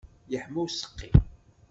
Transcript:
Yeḥma useqqi.